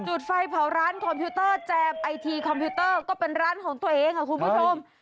จุดไฟเผาร้านคอมพิวเตอร์แจมไอทีคอมพิวเตอร์ก็เป็นร้านของตัวเองค่ะคุณผู้ชม